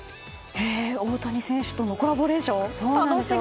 大谷選手とのコラボレーション楽しみですね。